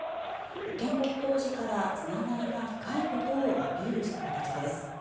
建国当時からつながりが深いことをアピールした形です。